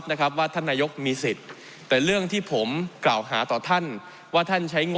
เพราะมันก็มีเท่านี้นะเพราะมันก็มีเท่านี้นะ